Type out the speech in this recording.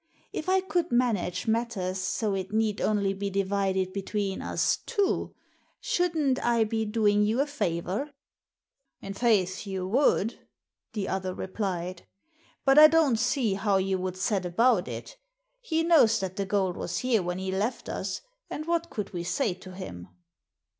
If I could manage matters so it need only be divided between us two, should n't I be doing you a favor ?"" In faith you would," the other replied ;" but I don't see how you would set about it. He knows that the gold was here when he left us, and what could we say to him